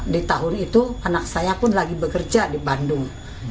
di tahun itu anak saya pun lagi bekerja di bandung